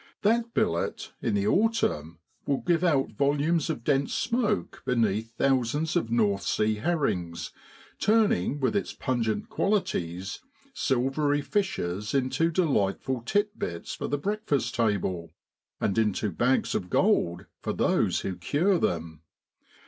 That billet, in the autumn, will give out volumes of dense smoke beneath thousands of North Sea herrings, turning with its pungent qualities silvery fishes into delightful tit bits for the breakfast table, and into bags of gold for those who cure them.